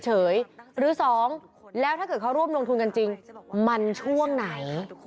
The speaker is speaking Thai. หรือสองแล้วถ้าเกิดเขาร่วมลงทุนกันจริงมันช่วงไหน